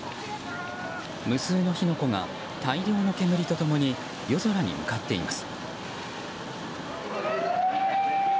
無数の火の粉が大量の煙と共に夜空に向かっています。